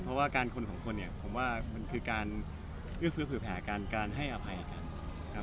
เพราะว่าการคนสองคนเนี่ยผมว่ามันคือการเอื้อเฟื้อแผลการให้อภัยกัน